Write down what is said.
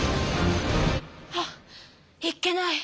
ハッいっけない！